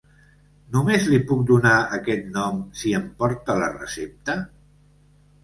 Només li puc donar aquest nom si em porta la recepta?